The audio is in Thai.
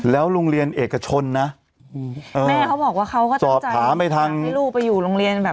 แล้วโรงเรียนเอกชนนะแม่เขาบอกว่าเขาก็ตั้งใจสอบถามให้ลูกไปอยู่โรงเรียน